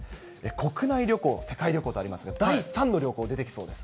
国内旅行、世界旅行とありますが、第３の旅行、出てきそうです。